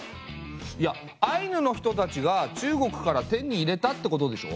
いやアイヌの人たちが中国から手に入れたってことでしょ？